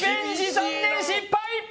残念失敗！